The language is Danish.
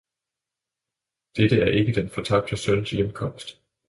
Dette er ikke den fortabte søns hjemkomst.